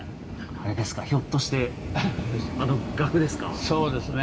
あれですかひょっとしてそうですね。